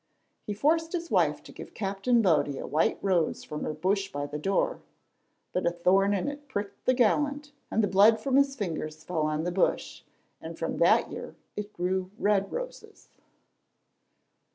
He forced his wife to give Captain Body a white rose from her bush by the door, but a thorn in it pricked the gallant, and the blood from his fingers fell on the bush, and from that year it grew red roses.